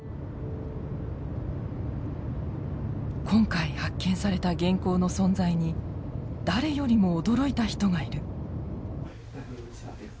今回発見された原稿の存在に誰よりも驚いた人がいる。